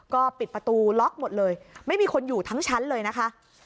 ก็ปิดประตูล็อกหมดเลยไม่มีคนอยู่ทั้งชั้นเลยนะคะ